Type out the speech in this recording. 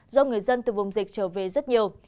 do người dân từ vùng dịch trở về rất nhiều